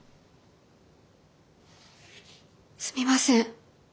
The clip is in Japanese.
すみません。